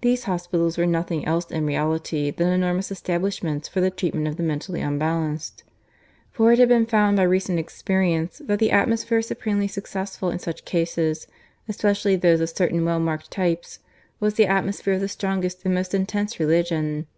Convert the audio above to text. These hospitals were nothing else in reality than enormous establishments for the treatment of the mentally unbalanced; for it had been found by recent experience that the atmosphere supremely successful in such cases especially those of certain well marked types was the atmosphere of the strongest and most intense religion.